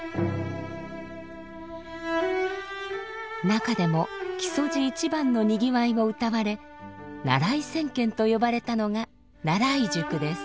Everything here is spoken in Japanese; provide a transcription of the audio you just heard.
中でも木曽路一番のにぎわいをうたわれ「奈良井千軒」と呼ばれたのが奈良井宿です。